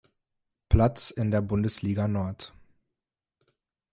Platz in der Bundesliga Nord.